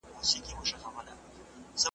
اسمان نیولي سترګي دي برندي `